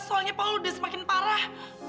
soalnya palu udah semakin parah